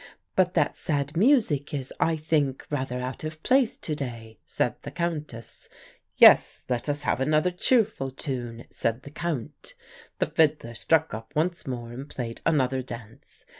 "'But that sad music is, I think, rather out of place to day,' said the Countess. "'Yes, let us have another cheerful tune,' said the Count. "The fiddler struck up once more and played another dance.